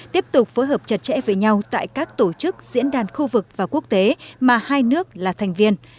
tiếp tục phối hợp chặt chẽ với nhau tại các tổ chức diễn đàn khu vực và quốc tế mà hai nước là thành viên